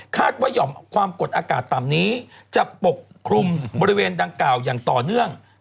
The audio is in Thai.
ว่าหย่อมความกดอากาศต่ำนี้จะปกคลุมบริเวณดังกล่าวอย่างต่อเนื่อง